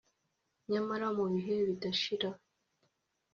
nyamara mu bihe bidashira